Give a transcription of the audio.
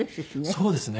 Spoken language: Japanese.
そうですね。